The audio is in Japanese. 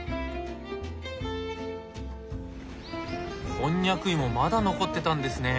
コンニャク芋まだ残ってたんですね。